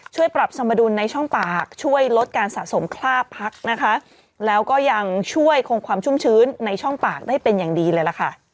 ช่วยปรับสมดุลในช่องปากช่วยลดการสะสมคลาบพักนะคะแล้วก็ยังช่วยคงความชุ่มชื้นในช่องปากได้เป็นอย่างดีเลยล่ะค่ะ